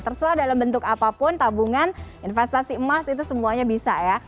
terserah dalam bentuk apapun tabungan investasi emas itu semuanya bisa ya